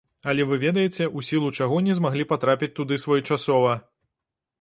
Але вы ведаеце, у сілу чаго не змаглі патрапіць туды своечасова.